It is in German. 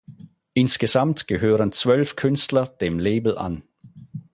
Insgesamt gehören zwölf Künstler dem Label an.